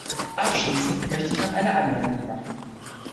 Abschließend möchte ich noch eine Anmerkung machen.